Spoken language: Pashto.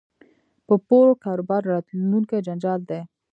په پور کاروبار راتلونکی جنجال دی